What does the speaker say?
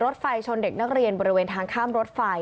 รถไฟชนเด็กนักเรียนบริเวณทางข้ามรถไฟ